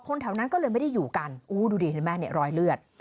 คนแถวนั้นก็เลยไม่ได้อยู่กันอู้ดูดีเหรอแม่เนี่ยรอยเลือด